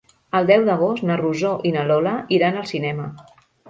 El deu d'agost na Rosó i na Lola iran al cinema.